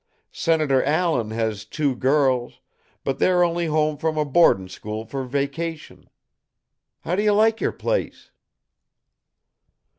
Senator Allen has two girls, but they're only home from a boardin' school for vacation. How do you like your place?"